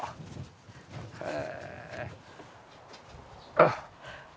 あっ。